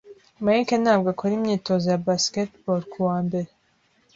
Mike ntabwo akora imyitozo ya basketball kuwa mbere.